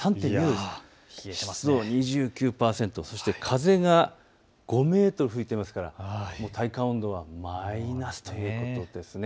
そして湿度が２９％、そして風が５メートル吹いていますから体感、温度はマイナスということです。